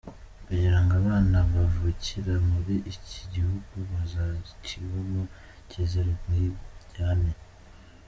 Kugira ngo abana bavukira muri ikiguhugu bazakibemo kizira umwiryane.